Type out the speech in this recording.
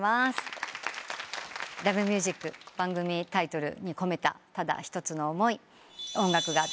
『Ｌｏｖｅｍｕｓｉｃ』番組タイトルに込めたただ一つの思い。